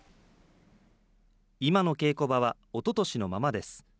今の稽古場はおととしのままです。